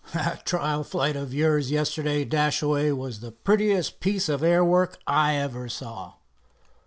"That trial flight of yours yesterday, Dashaway, was the prettiest piece of air work I ever saw."